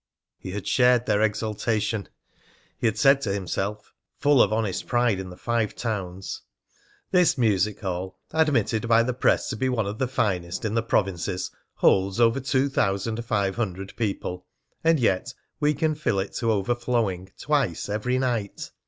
He had shared their exultation. He had said to himself, full of honest pride in the Five Towns: "This music hall, admitted by the press to be one of the finest in the provinces, holds over two thousand five hundred people. And yet we can fill it to overflowing twice every night!